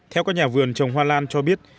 theo các nhà vườn trồng hoa lan cho biết